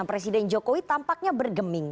presiden jokowi tampaknya bergeming